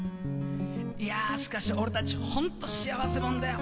いや、しかし、俺たちホント幸せもんだよ。